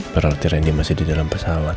berarti randy masih di dalam pesawat